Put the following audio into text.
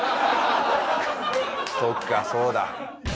そっかそうだ。